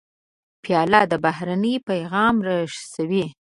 پیاله د مهربانۍ پیغام رسوي.